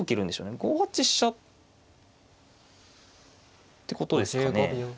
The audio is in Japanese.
５八飛車ってことですかね。